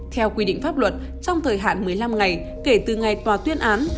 theo quy định pháp luật trong thời hạn một mươi năm ngày kể từ ngày tòa tuyên án